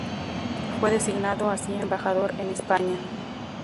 Fue designado así embajador en España.